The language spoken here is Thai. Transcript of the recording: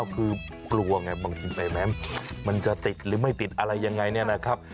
คือกลัวไงบางทีไฟแนนซ์มันจะติดหรือไม่ติดอะไรยังไงเนี่ยนะครับ